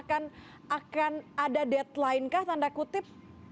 akan ada deadline kah tanda kutip